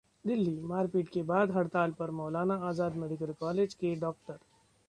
दिल्ली: मारपीट के बाद हड़ताल पर मौलाना आजाद मेडिकल कॉलेज के डॉक्टर